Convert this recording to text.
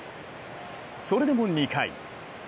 それでも２回。